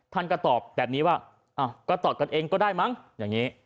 ท่านก็ตอบแบบนี้ว่าก็ตอบกันเองก็ได้มั้งอย่างนี้